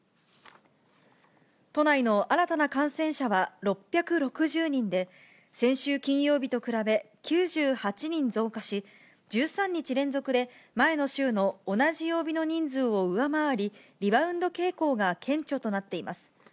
都内の新たな感染者は６６０人で、先週金曜日と比べ９８人増加し、１３日連続で前の週の同じ曜日の人数を上回り、リバウンド傾向が顕著となっています。